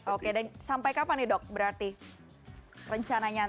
oke dan sampai kapan nih dok berarti rencananya